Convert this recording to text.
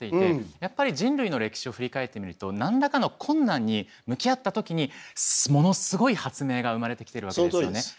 やっぱり人類の歴史を振り返ってみると何らかの困難に向き合ったときにものすごい発明が生まれてきてるわけですよね。